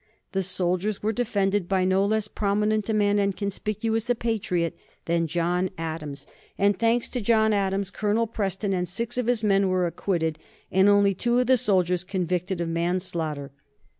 The soldiers were defended by no less prominent a man and conspicuous a patriot than John Adams; and, thanks to John Adams, Colonel Preston and six of his men were acquitted, and only two of the soldiers convicted of manslaughter.